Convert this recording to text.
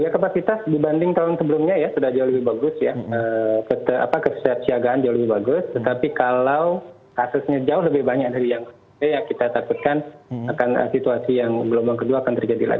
kapasitas dibanding tahun sebelumnya ya sudah jauh lebih bagus ya kesiapsiagaan jauh lebih bagus tetapi kalau kasusnya jauh lebih banyak dari yang kita takutkan akan situasi yang gelombang kedua akan terjadi lagi